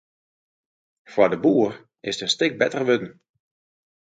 Foar de boer is it in stik better wurden.